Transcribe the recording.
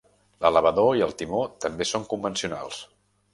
L'elevador i el timó també són convencionals.